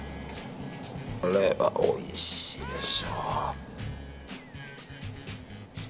これはおいしいでしょう。